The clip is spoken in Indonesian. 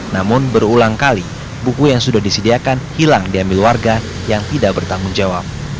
namun berulang kali buku yang sudah disediakan hilang diambil warga yang tidak bertanggung jawab